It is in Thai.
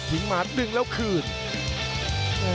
หมาดึงแล้วคืน